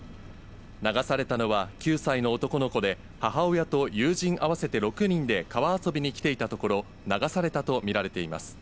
流されたのは９歳の男の子で、母親と友人合わせて６人で川遊びに来ていたところ、流されたと見られています。